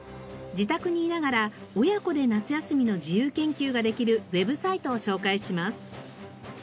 自宅にいながら親子で夏休みの自由研究ができるウェブサイトを紹介します。